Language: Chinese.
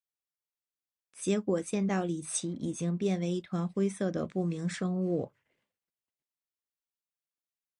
结果见到李奇已经变为一团灰色的不明生物。